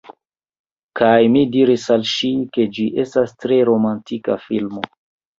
Kaj mi diris al ŝi, ke ĝi estas tre romantika filmo.